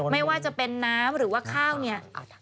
ไม่ว่าจะเป็นน้ำหรือว่าข้าวเนี่ย